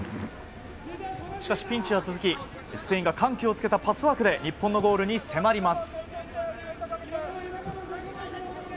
しかしピンチは続きスペインが緩急を付けたパスワークで日本のゴールに迫ります。